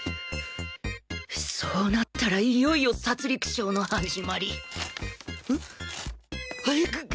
そうなったらいよいよ殺戮ショーの始まり